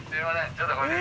ちょっとこれで」